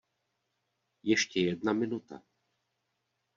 Ještě jedna minuta.